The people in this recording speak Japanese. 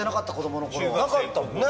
なかったもんね